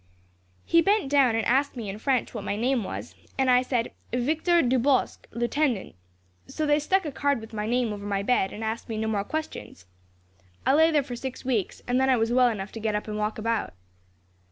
"He bent down, and asked me in French what my name was, and I said 'Victor Dubosc, lieutenant;' so they stuck a card with my name over my bed, and asked me no more questions. I lay there for six weeks, and then I was well enough to get up and walk about.